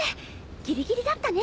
ギリギリだったね。